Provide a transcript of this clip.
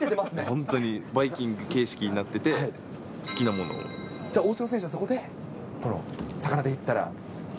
本当に、バイキング形式になじゃあ、大城選手はそこで、この魚でいったら。